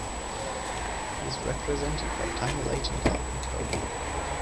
He is represented by Tanya Leighton Gallery, Berlin.